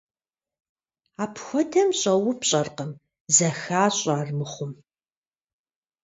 Апхуэдэм щӏэупщӏэркъым, зэхащӏэ армыхъум.